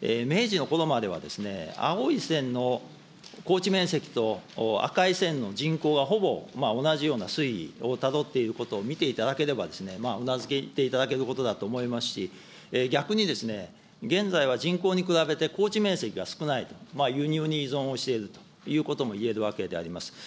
明治のころまではですね、青い線の耕地面積と、赤い線の人口はほぼ同じような推移をたどっていることを見ていただければ、うなずけていただけることと思っておりますし、逆に現在は人口に比べて耕地面積が少ないと、輸入に依存をしているということも言えるわけであります。